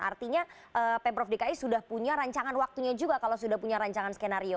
artinya pemprov dki sudah punya rancangan waktunya juga kalau sudah punya rancangan skenario